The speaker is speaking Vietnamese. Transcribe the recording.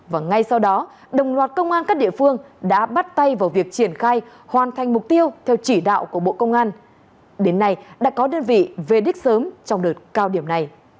và ngay sau đó đồng loạt công an các địa phương đã bắt tay vào việc triển khai hoàn thành mục tiêu theo chỉ đạo của bộ công an